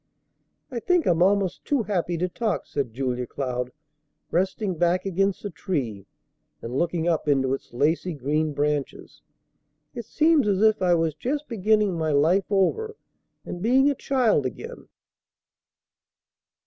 "I think I'm almost too happy to talk," said Julia Cloud, resting back against the tree and looking up into its lacy green branches. "It seems as if I was just beginning my life over and being a child again."